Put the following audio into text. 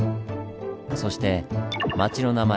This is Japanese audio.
そして町の名前